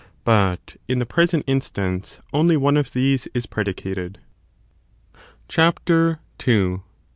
but in the present instance only. one of these is predicated. CHAPTER II.